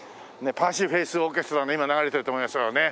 パーシー・フェイス・オーケストラの今流れてると思います。